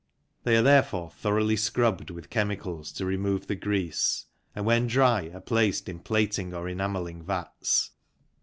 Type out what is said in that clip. They are therefore thoroughly scrubbed with chemicals to remove the grease, and when dry are placed in plating or enamelling vats.